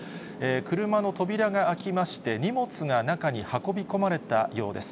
車の扉が開きまして、荷物が中に運び込まれたようです。